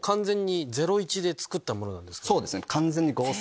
そうですね。